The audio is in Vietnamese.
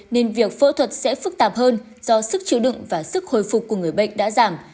nên việc phẫu thuật sẽ phức tạp hơn do sức chứa đựng và sức hồi phục của người bệnh đã giảm